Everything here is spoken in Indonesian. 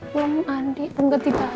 belum mandi belum ketiba